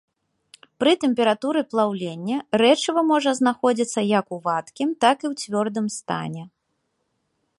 Пры тэмпературы плаўлення рэчыва можа знаходзіцца як у вадкім, так і ў цвёрдым стане.